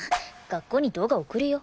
学校に動画送るよ？